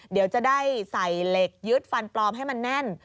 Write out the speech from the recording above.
เดี๋ยวจะได้ใส่เหล็กยึดฟันปลอมให้มันแน่น